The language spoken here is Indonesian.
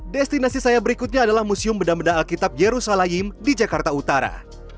destinasi saya berikutnya adalah museum benda benda alkitab yerusalem di jakarta utara